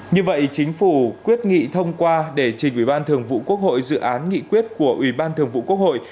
như vậy chính phủ quyết nghị thông qua để trình ủy ban thường vụ quốc hội dự án nghị quyết của ủy ban thường vụ quốc hội